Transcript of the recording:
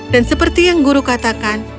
dan seperti yang guru katakan